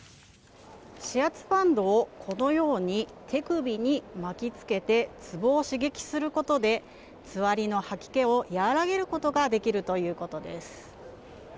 指圧バンドをこのように手首に巻きつけてツボを刺激することでつわりの吐き気を和らげることができるということです。